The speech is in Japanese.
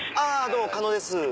どうも狩野です。